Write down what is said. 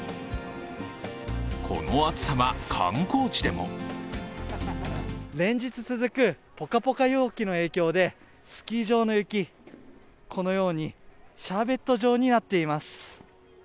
この暑さは観光地でも連日続くぽかぽか陽気の影響で、スキー場の雪、このようにシャーベット状になっています。